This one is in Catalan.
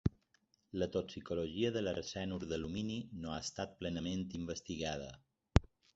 La toxicologia de l'arsenur d'alumini no ha estat plenament investigada.